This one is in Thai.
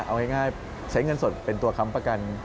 เอาง่ายใช้เงินสดเป็นตัวค้ำประกัน